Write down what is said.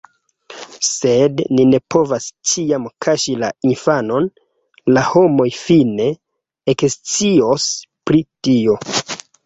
Sed ni ne povas ĉiam kaŝi la infanon, la homoj fine ekscios pri tio...